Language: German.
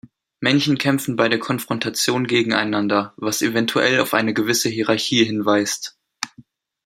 Männchen kämpfen bei Konfrontation gegeneinander, was eventuell auf eine gewisse Hierarchie hinweist.